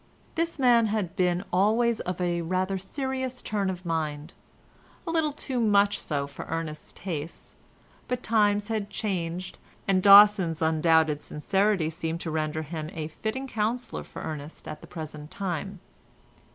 This man had been always of a rather serious turn of mind—a little too much so for Ernest's taste; but times had changed, and Dawson's undoubted sincerity seemed to render him a fitting counsellor for Ernest at the present time.